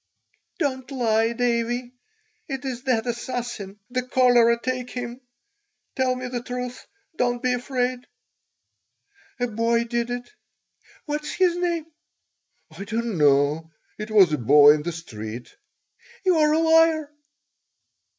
"Don't lie, Davie. It is that assassin, the cholera take him! Tell me the truth. Don't be afraid." "A boy did it." "What is his name?" "I don't know. It was a boy in the street." "You are a liar."